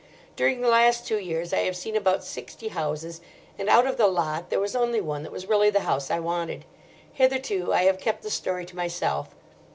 During the last two years I have seen about sixty houses, and out of the lot there was only one that was really the house I wanted. Hitherto I have kept the story to myself.